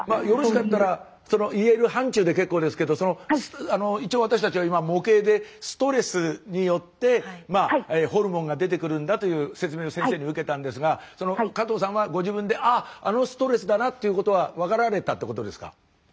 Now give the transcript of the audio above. よろしかったら言える範疇で結構ですけど一応私たちは今模型でストレスによってホルモンが出てくるんだという説明を先生に受けたんですが加藤さんはご自分で「あっあのストレスだな」ということは分かられたってことですか？